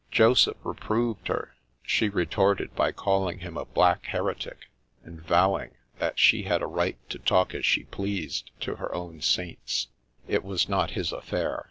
Joseph reproved her; she retorted by calling him a black heretic, and vowing that she had a right to talk as she pleased to her own saints ; it was not his affair.